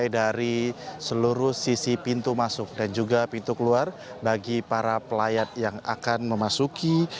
dari seluruh sisi pintu masuk dan juga pintu keluar bagi para pelayat yang akan memasuki